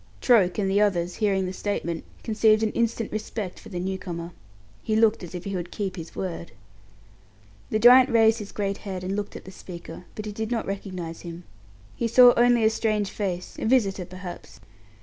Troke and the others, hearing the statement, conceived an instant respect for the new comer. He looked as if he would keep his word. The giant raised his great head and looked at the speaker, but did not recognize him. He saw only a strange face a visitor perhaps.